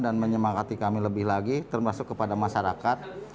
dan menyemangkati kami lebih lagi termasuk kepada masyarakat